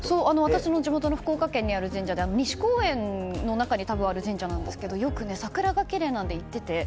私の地元の福岡県にある神社で西公園の中にある神社なんですがよく、桜がきれいなので行っていて。